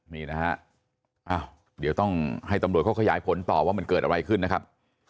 นี่นะฮะเดี๋ยวต้องให้ตำรวจเขาขยายผลต่อว่ามันเกิดอะไรขึ้นนะครับ